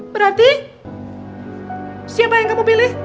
berarti siapa yang kamu pilih